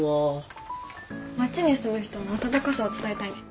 町に住む人の温かさを伝えたいね。